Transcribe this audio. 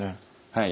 はい。